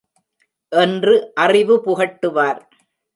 என்று அறிவு புகட்டுவார்.